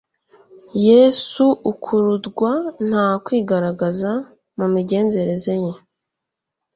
Yesu, ukurudwa, nta kwigaragaza mu migenzereze ye,